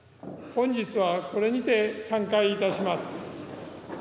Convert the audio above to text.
本日はこれにて散会いたします。